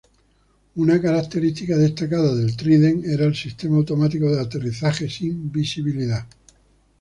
Una característica destacada del Trident era el sistema automático de aterrizaje sin visibilidad.